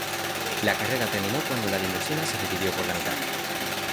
La carrera terminó cuando la limusina se dividió por la mitad.